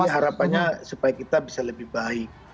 harapannya supaya kita bisa lebih baik